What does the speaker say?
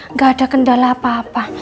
nggak ada kendala apa apa